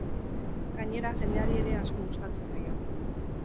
Gainera, jendeari ere asko gustatu zaio.